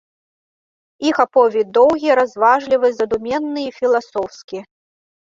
Іх аповед доўгі, разважлівы, задуменны і філасофскі.